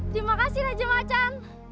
terima kasih lah jemaah cang